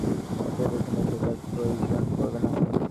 প্রযুক্তি ক্ষেত্রে দক্ষতা এসে গেলে অর্থের পেছনে ছোটার প্রয়োজন পড়বে না।